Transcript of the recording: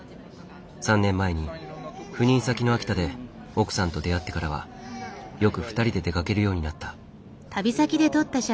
３年前に赴任先の秋田で奥さんと出会ってからはよく２人で出かけるようになった。